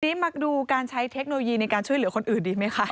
ทีนี้มาดูการใช้เทคโนโลยีในการช่วยเหลือคนอื่นดีไหมคะ